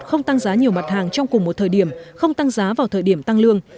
không tăng giá nhiều mặt hàng trong cùng một thời điểm không tăng giá vào thời điểm tăng lương